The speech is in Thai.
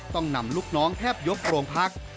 ต้องนำลูกน้องแทบยกโรงพัก